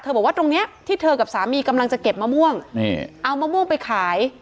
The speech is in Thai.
บอกว่าตรงเนี้ยที่เธอกับสามีกำลังจะเก็บมะม่วงนี่เอามะม่วงไปขาย